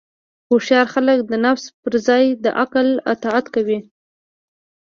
هوښیار خلک د نفس پر ځای د عقل اطاعت کوي.